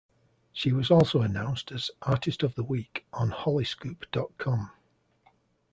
She was also announced as Artist of the Week on Hollyscoop dot com.